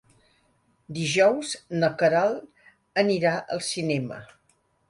Dijous na Queralt anirà al cinema.